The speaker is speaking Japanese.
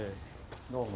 どうも。